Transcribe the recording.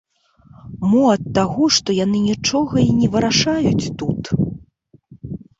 Мо ад таго што яны нічога і не вырашаюць тут.?